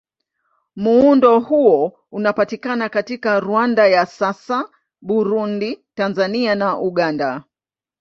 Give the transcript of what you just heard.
Muundo huo unapatikana katika Rwanda ya sasa, Burundi, Tanzania na Uganda.